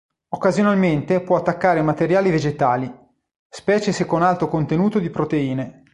Occasionalmente può attaccare materiali vegetali, specie se con alto contenuto di proteine.